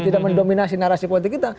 tidak mendominasi narasi politik kita